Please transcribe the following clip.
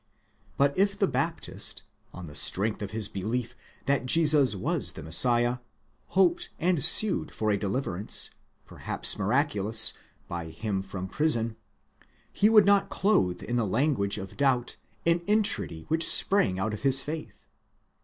But if the Baptist, on the strength of his belief that Jesus was the Messiah, hoped and sued for a deliverance, perhaps miraculous, by him from prison, he would not clothe in the language of doubt an entreaty which sprang out of his faith.